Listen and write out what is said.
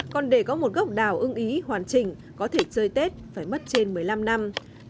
còn để có một gốc đào ưng ý hoàn chỉnh có thể chơi tết phải mất trên một mươi năm năm